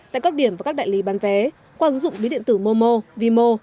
tại các điểm và các đại lý bán vé qua ứng dụng ví điện tử momo vimo